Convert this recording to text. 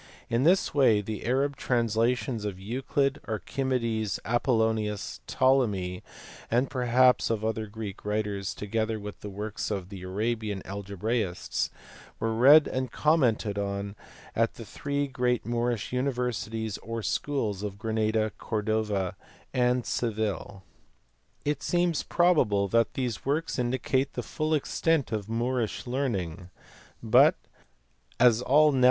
In this way the Arab translations of Euclid, Archimedes, Apollonius, Ptolemy, and perhaps of other Greek writers, together with the works of the Arabian algebraists, were read and commented on at the three great Moorish universities or schools of Granada, Cordova, and Seville. It seems probable that these works indicate the full extent of Moorish learning, but, as all know 170 INTRODUCTION OF ARABIAN WORKS INTO EUROPE.